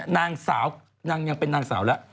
นางสาวนางยังเป็นนางสาวแล้ว